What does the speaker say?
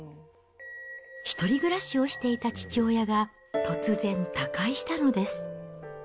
１人暮らしをしていた父親が突然他界したのです。